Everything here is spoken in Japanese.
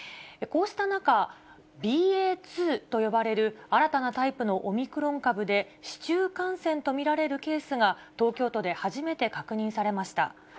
こうした中、ＢＡ．２と呼ばれる新たなタイプのオミクロン株で、市中感染と見られるケースが、東京都で初めて確認されました。